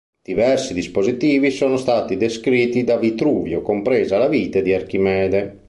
Diversi dispositivi sono stati descritti da Vitruvio, compresa la vite di Archimede.